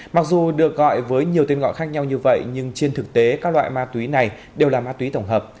mặc dù được gọi với nhiều tên gọi khác nhau như vậy nhưng trên thực tế các loại ma túy này đều là ma túy tổng hợp